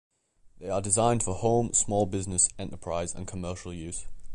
They are designed for home, small business, enterprise and commercial use.